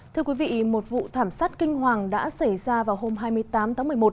thưa quý vị một vụ thảm sát kinh hoàng đã xảy ra vào hôm hai mươi tám tháng một mươi một